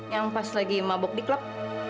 yang pas lagi mabuk di klub